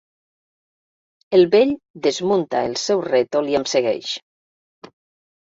El vell desmunta el seu rètol i em segueix.